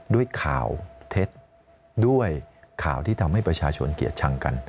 ด้วยข่าวเท็จด้วยข่าวที่ทำให้ประชาชนเกลียดชังกัน